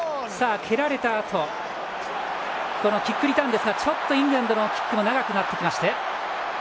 蹴られたあとキックリターンですがちょっとイングランドのキックも長くなって。